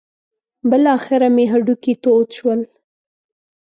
بالاخره مې هډوکي تود شول.